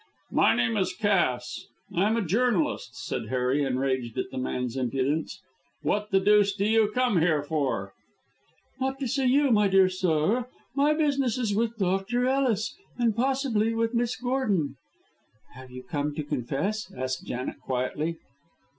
"My name is Cass. I am a journalist," said Harry, enraged at the man's impudence. "What the deuce do you come here for?" "Not to see you, my dear sir. My business is with Dr. Ellis, and possibly with Miss Gordon." "Have you come to confess?" asked Janet, quietly.